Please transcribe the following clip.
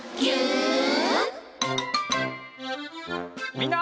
みんな。